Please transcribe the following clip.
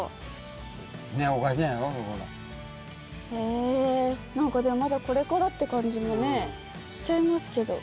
え何かでもまだこれからって感じもねしちゃいますけど。